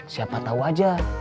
siapa tau aja